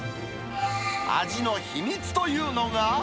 味の秘密というのが。